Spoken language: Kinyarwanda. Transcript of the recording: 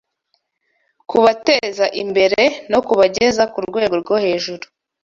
kubateza imbere no kubageza ku rwego rwo hejuru